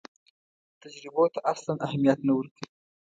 تجربو ته اصلاً اهمیت نه ورکوي.